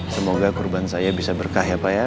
semoga kurban saya bisa berkah ya pak ya